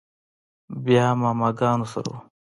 بيا ماما ګانو سره و.